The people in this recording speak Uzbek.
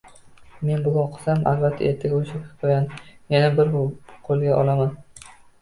Men bugun o‘qisam, albatta, ertaga o‘sha hikoyani yana bir qo‘lga olaman